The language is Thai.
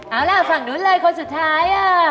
เอาล่ะฝั่งนู้นเลยคนสุดท้าย